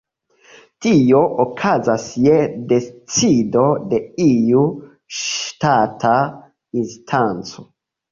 Tio okazas je decido de iu ŝtata instanco.